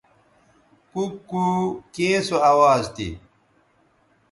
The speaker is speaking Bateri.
کُوکُو کیں سو اواز تھی؟